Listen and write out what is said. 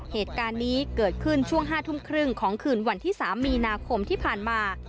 เหตุการณ์นี้เกิดขึ้นช่วง๕ทุ่มครึ่งของคืนวันที่๓มีนาคมที่ผ่านมา